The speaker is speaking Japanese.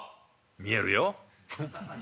「見えるよ」。